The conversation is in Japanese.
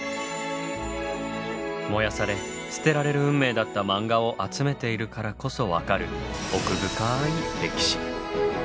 燃やされ捨てられる運命だったマンガを集めているからこそ分かる奥深い歴史。